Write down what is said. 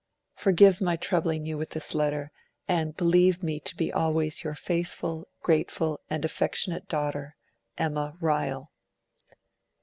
'Forgive my troubling you with this letter, and believe me to be always your faithful, grateful and affectionate daughter, 'EMMA RYLE.